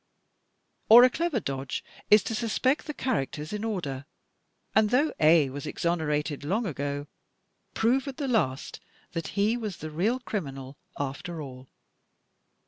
Or, a clever dodge is to suspect the characters in order, and though A was exonerated long ago, prove at the last that he was the real criminal after all.